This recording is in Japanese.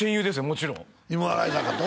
もちろん芋洗坂と？